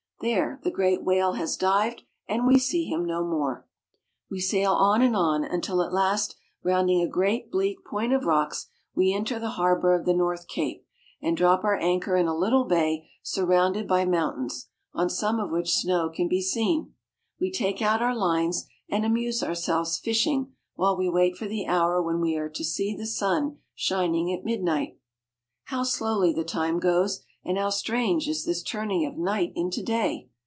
There, the great whale has dived, and we see him no more ! We sail on and on, until at last, rounding a great, bleak point of rocks, we enter the harbor of the North Cape, and drop our anchor in a little bay surrounded by moun tains, on some of which snow can be seen. We take out our lines, and amuse ourselves fishing while we wait for the hour when we are to see the sun shining at midnight. How slowly the time goes, and how strange is this turn ing of night into day